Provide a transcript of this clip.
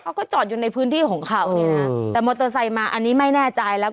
เขาก็จอดอยู่ในพื้นที่ของเขาเนี่ยนะแต่มอเตอร์ไซค์มาอันนี้ไม่แน่ใจแล้ว